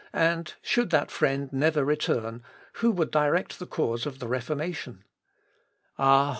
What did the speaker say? and, should that friend never return, who would direct the cause of the Reformation? "Ah!